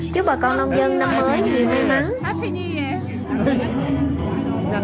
chúc bà con nông dân năm mới nhiều may mắn